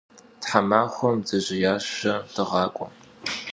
Themaxuem bdzejêyaşe dığak'ue.